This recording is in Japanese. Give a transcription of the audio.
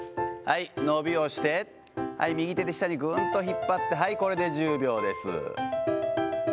伸びをして、右手で下にぐーんと引っ張って、これで１０秒です。